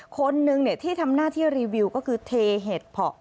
คนหนึ่งที่ทำหน้าที่รีวิวก็คือเทเห็ดเพาะ